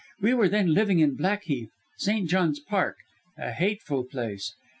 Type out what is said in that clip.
We were then living in Blackheath St. John's Park a hateful place.